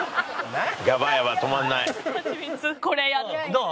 どう？